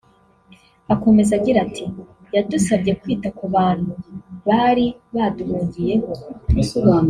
Akomeza agira ati “yadusabye kwita ku bantu bari baduhungiyeho